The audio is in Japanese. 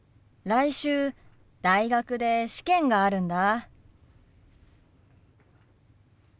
来週大学で試験があるんだ。